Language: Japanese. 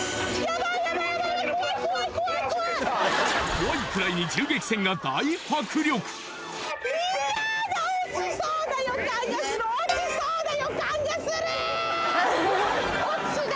怖いくらいに銃撃戦が大迫力落ちそうな予感がする！